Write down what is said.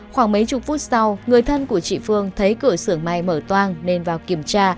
khoảng mấy chục phút sau người thân của chị phương thấy cửa sưởng may mở toang nên vào kiểm tra